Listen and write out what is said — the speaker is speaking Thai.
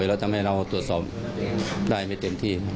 เราทำให้เราตรวจสอบได้ไม่เต็มที่